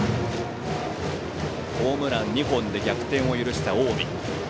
ホームラン２本で逆転を許した近江。